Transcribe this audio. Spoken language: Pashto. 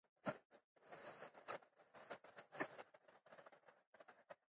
سیاسي مشارکت د ټولنې حق دی